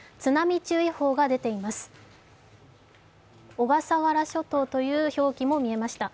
小笠原諸島という表記も見えました。